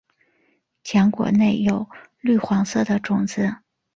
浆果内有绿黄色的种子。